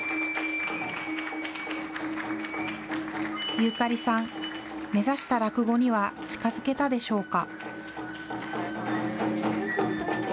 遊かりさん、目指した落語には近づけたでしょうか。